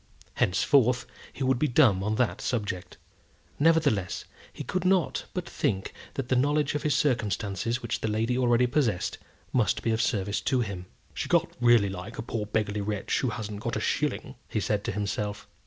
Henceforth he would be dumb on that subject. Nevertheless, he could not but think that the knowledge of his circumstances which the lady already possessed, must be of service to him. "She can't really like a poor beggarly wretch who hasn't got a shilling," he said to himself.